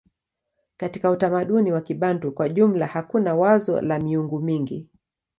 Katika utamaduni wa Kibantu kwa jumla hakuna wazo la miungu mingi.